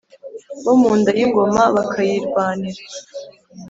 bo munda y’ingoma bakayirwanira,